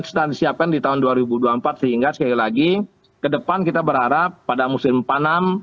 dan sudah disiapkan di tahun dua ribu dua puluh empat sehingga sekali lagi ke depan kita berharap pada musim panam